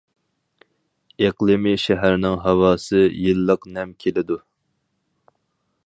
ئىقلىمى شەھەرنىڭ ھاۋاسى يىللىق نەم كېلىدۇ.